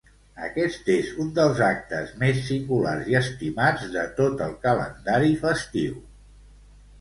Aquest és un dels actes més singulars i estimats de tot el calendari festiu.